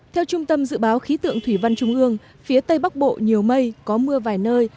theo trung tâm dự báo khí tượng thủy văn trung ương phía tây bắc bộ nhiều mây có mưa vài nơi